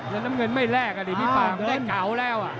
แล้วน้ำเงินไม่แลกอ่ะดิพี่ป่ามันได้เก๋าแล้ว